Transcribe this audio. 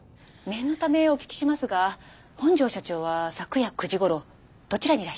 念のためお聞きしますが本庄社長は昨夜９時頃どちらにいらっしゃいましたか？